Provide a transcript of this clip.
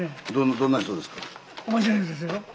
どんな人ですか？